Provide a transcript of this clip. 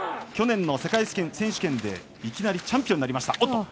去年の世界選手権でいきなりチャンピオンになりました。